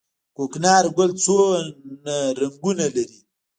کوکنارو ګل څومره رنګونه لري؟